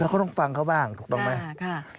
เขาต้องฟังเขาบ้างถูกต้องไหม